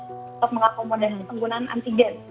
untuk mengakomodasi penggunaan antigen